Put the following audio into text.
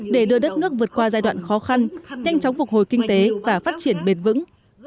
để đưa đất nước vượt qua giai đoạn khó khăn nhanh chóng phục hồi kinh tế và phát triển bền vững